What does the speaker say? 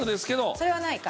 それはないか。